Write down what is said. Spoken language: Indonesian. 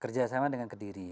kerjasama dengan kediri